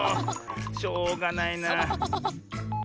しょうがないな。